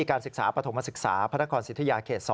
การศึกษาปฐมศึกษาพระนครสิทธิยาเขต๒